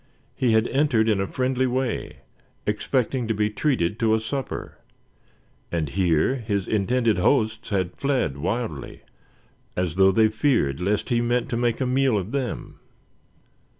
He had entered in a friendly way, expecting to be treated to a supper; and here his intended hosts had fled wildly, as though they feared lest he meant to make a meal of them.